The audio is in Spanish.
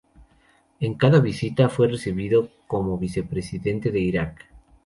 En cada visita, fue recibido como vicepresidente de Irak.